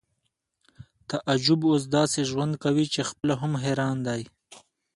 تعجب اوس داسې ژوند کوي چې خپله هم حیران دی